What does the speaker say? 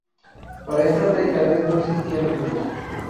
Para estas deidades no existían mitos.